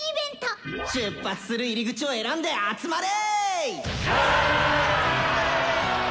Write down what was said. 「出発する入り口を選んで集まれ！」。